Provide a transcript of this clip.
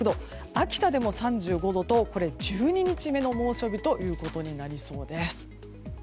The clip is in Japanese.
秋田でも３５度と１２日目の猛暑日ということになりそうです。